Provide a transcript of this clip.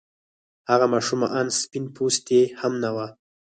هغه ماشومه آن سپين پوستې هم نه وه.